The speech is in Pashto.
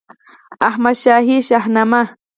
احمدشاهي شهنامه